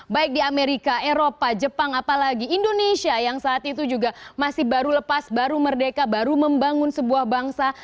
baik di amerika eropa jepang apalagi indonesia yang saat itu juga masih baru lepas baru merdeka baru membangun sebuah bangsa